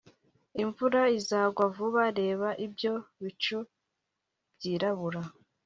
Imvura izagwa vuba Reba ibyo bicu byirabura